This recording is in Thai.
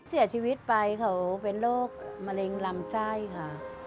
เสียชีวิตไปเขาเป็นโรคมะเร็งลำไส้ค่ะ